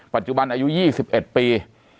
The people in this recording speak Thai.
ปัจจุบันอายุ๒๑ปี